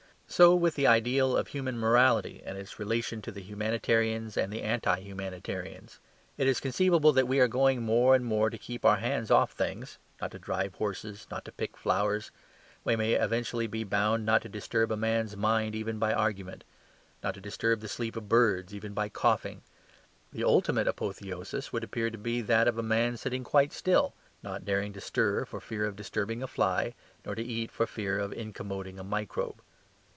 So with the ideal of human morality and its relation to the humanitarians and the anti humanitarians. It is conceivable that we are going more and more to keep our hands off things: not to drive horses; not to pick flowers. We may eventually be bound not to disturb a man's mind even by argument; not to disturb the sleep of birds even by coughing. The ultimate apotheosis would appear to be that of a man sitting quite still, nor daring to stir for fear of disturbing a fly, nor to eat for fear of incommoding a microbe.